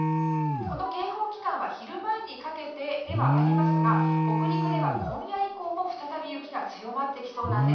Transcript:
この警報期間は昼前にかけてではありますが北陸では今夜以降も再び雪が強まってきそうです。